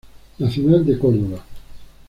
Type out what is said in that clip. Nacional de Córdoba.